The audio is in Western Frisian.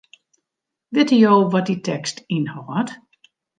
Witte jo wat dy tekst ynhâldt?